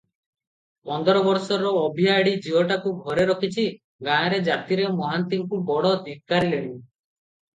ପନ୍ଦର ବର୍ଷର ଅଭିଆଡ଼ୀ ଝିଅଟାକୁ ଘରେ ରଖିଛି, ଗାଁରେ ଜାତିରେ ମହାନ୍ତିଙ୍କୁ ବଡ଼ ଧିକାରିଲେଣି ।